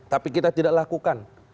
tapi kita tidak lakukan